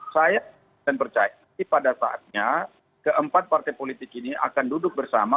saya dan percaya pada saatnya keempat partai politik ini akan duduk bersama